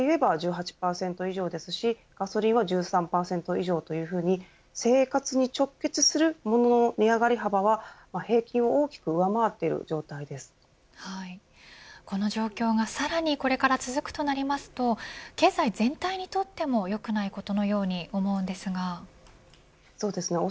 なので、電気代でいえば１８．６％以上で、ガソリンは１３％以上というふうに生活に直結するものの値上がり幅は平均を大きくはい、この状況がさらにこれから続くとなりますと経済全体にとっても良くないことのように思うんですが。